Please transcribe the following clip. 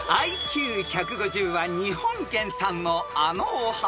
［ＩＱ１５０は日本原産のあのお花］